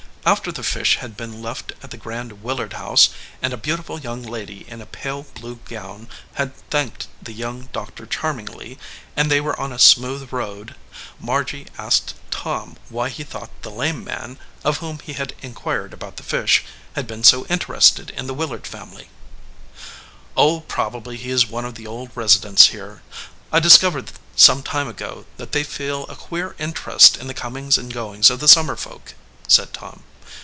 After the fish had been left at the grand Willard house, and a beautiful young lady in a pale blue gown had thanked the young doctor charmingly, and they were on a smooth road, Margy asked Tom why he thought the lame man, of whom he had inquired about the fish, had been so interested in the Willard family. 133 EDGEWATER PEOPLE "Oh, probably he is one of the old residents here. I discovered some time ago that they feel a queer interest in the comings and goings of the summer folk," said Tom.